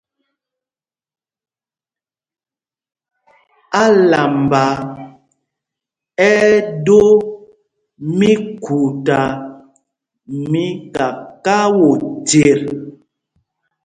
Álamba ɛ́ ɛ́ dō míkhuta mí kakao chyet.